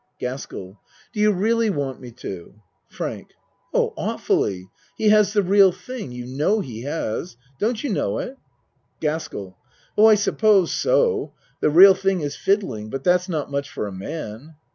GASKELL Do you really want me to? FRANK Oh, awfully. He has the real thing you know he has. Don't you know it? GASKELL Oh, I suppose so, the real thing is riddling but that's not much for a man.